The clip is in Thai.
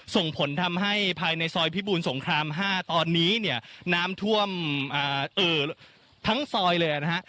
ส่งผลทำให้ภายในซอยพิบูรสงคราม๕ตอนนี้เนี่ยน้ำท่วมทั้งซอยเลยนะฮะ